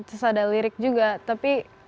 terus ada lirik juga tapi